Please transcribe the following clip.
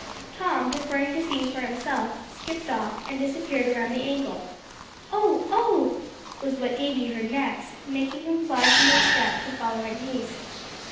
Tom, preferring to see for himself, skipped off, and disappeared around the angle. "Oh oh!" was what David heard next, making him fly from his step to follow in haste.